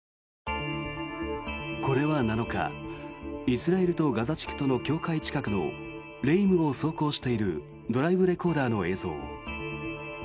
これは７日、イスラエルとガザ地区との境界近くのレイムを走行しているドライブレコーダーの映像。